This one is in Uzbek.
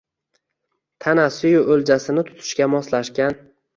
Tanasiyu o’ljasini tutishga moslashgan.